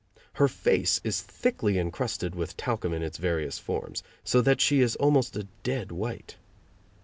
Her face is thickly encrusted with talcum in its various forms, so that she is almost a dead white.